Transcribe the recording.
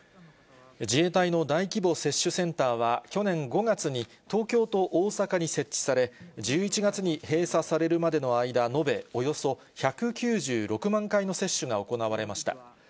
自衛隊の大規模接種センターは、去年５月に東京と大阪に設置され、１１月に閉鎖されるまでの間、延べおよそ１９６万回の接種が行われました。